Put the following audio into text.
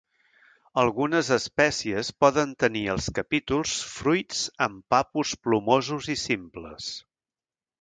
Algunes espècies poden tenir als capítols fruits amb papus plomosos i simples.